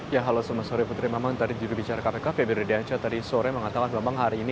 ya halo semua sore putri mamang tadi juga bicara kpk pbrd anca tadi sore mengatakan memang hari ini